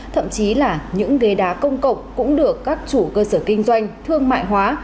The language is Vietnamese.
thậm chí là những ghế đá công cộng cũng được các chủ cơ sở kinh doanh thương mại hóa